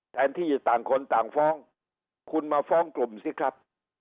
แทนที่ต่างคนต่างฟ้องคุณมาฟ้องกลุ่มสิครับ